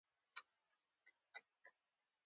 غوږونه د علماوو خبرې ساتي